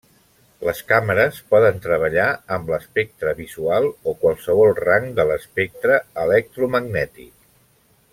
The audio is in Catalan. Les càmeres poden treballar amb l'espectre visual o qualsevol rang de l'espectre electromagnètic.